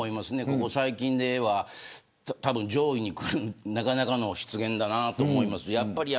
ここ最近では上位にくるなかなかの失言だなと思います。